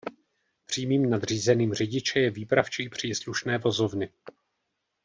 Přímým nadřízeným řidiče je výpravčí příslušné vozovny.